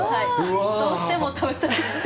どうしても食べたくて。